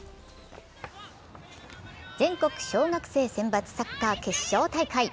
全国小学生選抜サッカー決勝大会。